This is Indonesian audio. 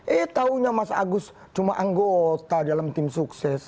eh taunya mas agus cuma anggota dalam tim sukses